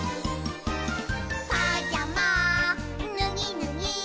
「パジャマぬぎぬぎ」